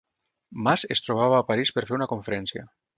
Mas es trobava a París per fer una conferència